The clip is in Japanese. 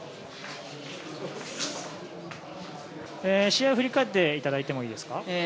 試合を振り返っていただいてもいいですか？